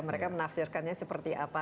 mereka menafsirkannya seperti apa